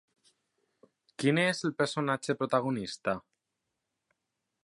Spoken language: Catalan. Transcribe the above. Qui n'és el personatge protagonista?